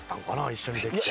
一緒にできて。